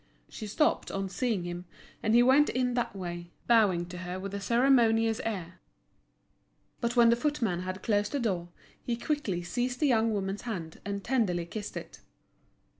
She stopped on seeing him, and he went in that way, bowing to her with a ceremonious air. But when the footman had closed the door, he quickly seized the young woman's hand, and tenderly kissed it.